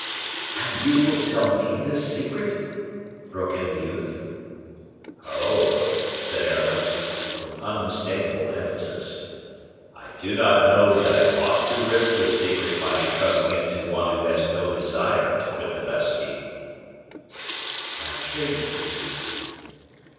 "And you will tell me this secret?" broke in the youth. "Oh!" said Aramis, with unmistakable emphasis, "I do not know that I ought to risk this secret by intrusting it to one who has no desire to quit the Bastile." "I hear you, monsieur."